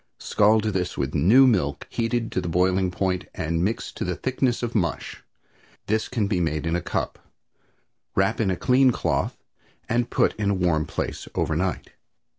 Scald this with new milk heated to the boiling point and mix to the thickness of mush. This can be made in a cup. Wrap in a clean cloth and put in a warm place overnight.